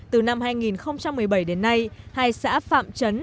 từ năm hai nghìn một mươi bảy đến nay hai xã phạm trấn đồng quang phạm trấn